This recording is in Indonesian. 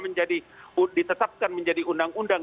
menjadi ditetapkan menjadi undang undang